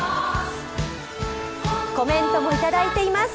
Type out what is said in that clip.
コメントもいただいています。